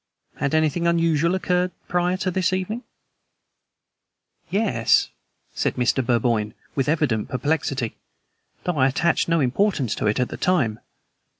"Had anything unusual occurred prior to this evening?" "Yes," said Mr. Burboyne, with evident perplexity; "though I attached no importance to it at the time.